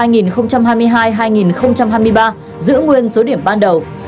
giữ nguyên số điểm ban đầu